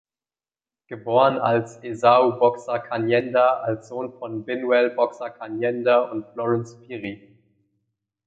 Geboren als Esau Boxer Kanyenda, als Sohn von Binwell Boxer Kanyenda und Florence Phiri.